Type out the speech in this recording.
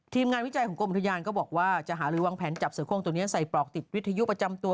งานวิจัยของกรมอุทยานก็บอกว่าจะหารือวางแผนจับเสือโค้งตัวนี้ใส่ปลอกติดวิทยุประจำตัว